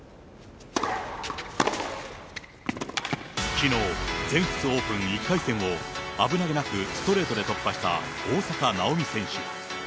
きのう、全仏オープン１回戦を危なげなくストレートで突破した大坂なおみ選手。